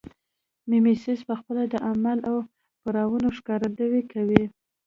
میمیسیس پخپله د عمل او پړاوونو ښکارندویي کوي